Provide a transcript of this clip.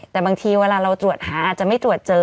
แต่บางทีเวลาเราตรวจหาอาจจะไม่ตรวจเจอ